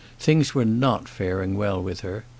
Things were not faring well with her.